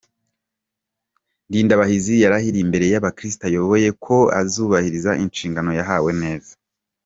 Ndindabahizi yarahiriye imbeere y’imbaga y’abakrisitu ayoboye ko azubahiriza inshingano yahawe neza.